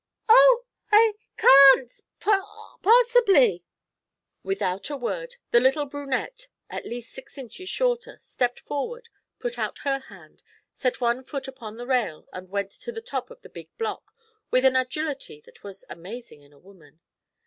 'O w! I ca an't, pos sibly!' Without a word the little brunette, at least six inches shorter, stepped forward, put out her hand, set one foot upon the rail, and went to the top of the big block with an agility that was amazing in a woman.